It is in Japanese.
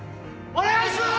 お願いします！